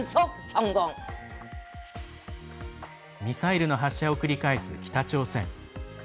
ミサイルの発射を繰り返す北朝鮮。